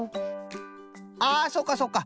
ああそうかそうか。